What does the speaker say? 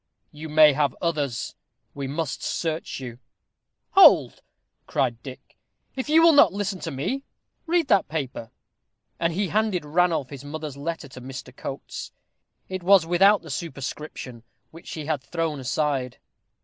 "You may have others. We must search you." "Hold!" cried Dick; "if you will not listen to me, read that paper." And he handed Ranulph his mother's letter to Mr. Coates. It was without the superscription, which he had thrown aside.